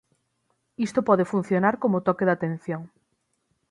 Isto pode funcionar como toque atención.